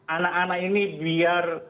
anak anak ini biar